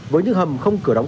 với những hầm không cửa đóng